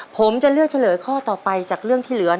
ผมจะเลือกเฉลยข้อต่อไปจากเรื่องที่เหลือ